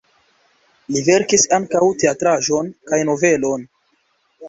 Li verkis ankaŭ teatraĵon kaj novelon.